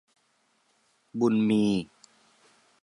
บุญมี